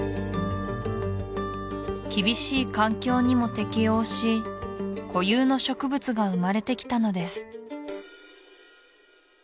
厳しい環境にも適応し固有の植物が生まれてきたのです